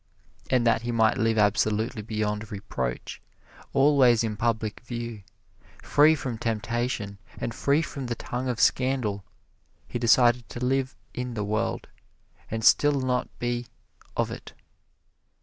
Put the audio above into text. And that he might live absolutely beyond reproach, always in public view, free from temptation, and free from the tongue of scandal, he decided to live in the world, and still not be of it.